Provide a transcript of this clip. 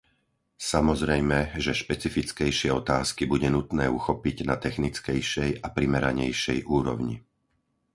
Samozrejme, že špecifickejšie otázky bude nutné uchopiť na technickejšej a primeranejšej úrovni.